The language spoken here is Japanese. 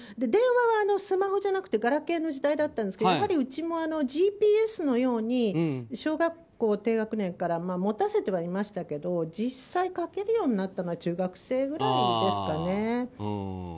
電話はスマホじゃなくてガラケーの時代だったんですけどやはりうちもＧＰＳのように小学校低学年から持たせてはいましたけど実際、かけるようになったのは中学生ぐらいですかね。